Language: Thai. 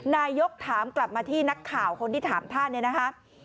นายกถามกลับมาที่นักข่าวคนที่ถามท่านเนี่ยนะคะ